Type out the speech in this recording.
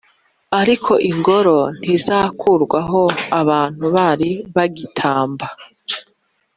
Ariko ingoro ntizakurwaho abantu bari bagitamba